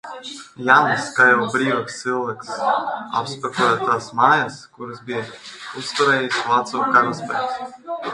Jānis, kā jau brīvāks cilvēks apsekoja tās mājas, kurās bija uzturējies vācu karaspēks.